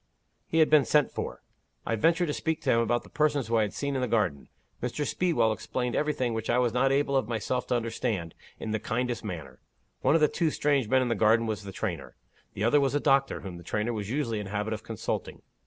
"He had been sent for. I ventured to speak to him about the persons whom I had seen in the garden. Mr. Speedwell explained everything which I was not able of myself to understand, in the kindest manner. One of the two strange men in the garden was the trainer; the other was a doctor, whom the trainer was usually in the habit of consulting.